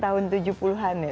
tahun tujuh puluh an ya